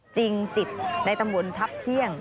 จริงจิตในตำบลทัพเที่ยง